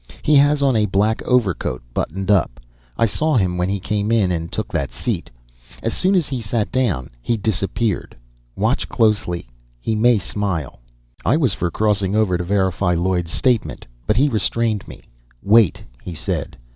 He has on a black overcoat buttoned up. I saw him when he came in and took that seat. As soon as he sat down he disappeared. Watch closely; he may smile." I was for crossing over to verify Lloyd's statement, but he restrained me. "Wait," he said.